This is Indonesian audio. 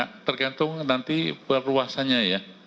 cukup banyak tergantung nanti perluasanya ya